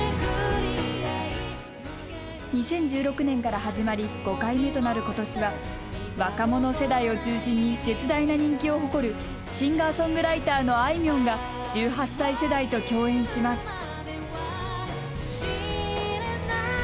２０１６年から始まり５回目となる今年は若者世代を中心に絶大な人気を誇るシンガーソングライターのあいみょんが１８歳世代と共演します。